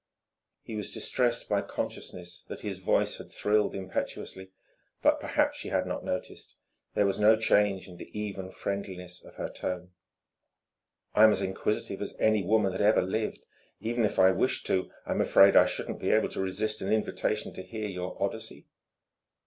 He was distressed by consciousness that his voice had thrilled impetuously. But perhaps she had not noticed; there was no change in the even friendliness of her tone. "I'm as inquisitive as any woman that ever lived. Even if I wished to, I'm afraid I shouldn't be able to resist an invitation to hear your Odyssey."